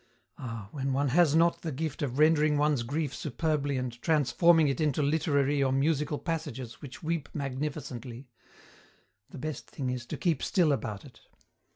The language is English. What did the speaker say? Ah, when one has not the gift of rendering one's grief superbly and transforming it into literary or musical passages which weep magnificently, the best thing is to keep still about it.